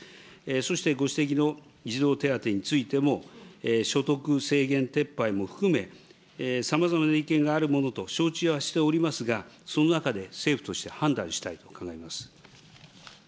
そしてご指摘の児童手当についても、所得制限撤廃も含め、さまざまな意見があるものと承知はしておりますが、その中で政府として判断したいと考えます。